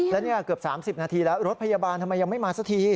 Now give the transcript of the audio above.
แล้วเนี่ยเกือบ๓๐นาทีแล้วรถพยาบาลทำไมยังไม่มาสักที